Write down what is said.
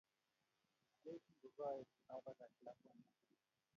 Ye kingo gaetu apakach lakwandit.